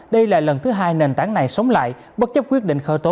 đây là lần thứ hai nền tảng này sống lại bất chấp quyết định khởi tố